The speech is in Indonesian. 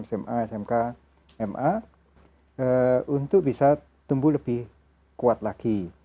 sma smk ma untuk bisa tumbuh lebih kuat lagi